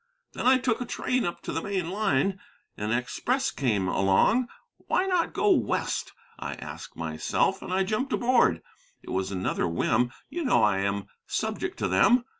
Then I took a train up to the main line. An express came along. 'Why not go West?' I asked myself, and I jumped aboard. It was another whim you know I am subject to them.